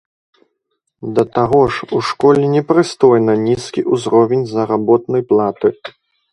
Да таго ж, у школе непрыстойна нізкі ўзровень заработнай платы.